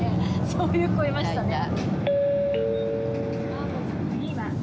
そういう子いましたね。